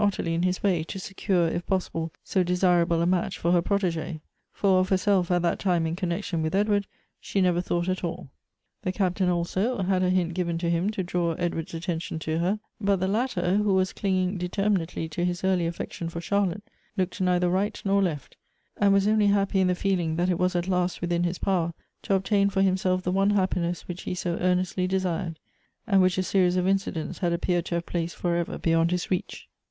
Qttnie in his way, to secureTrfpas slble, so desirable a^natch for, her .protege e. For of hefc. self, at that time, in connection Hitli_EdSfard,_she never thought at all. The Captain, also, had a hint given to him to draw Edward's attention to her ; but the latter, who was clinging determinately to his early affection for Charlotte, looked neither right nor left, and was only happy in the feeling that it was at last wLthin Jiis power Ja obtain for himself the one happiness which he so earnestly desired ; and which a series of incidents had appeared to have placed for ever beyond his reach.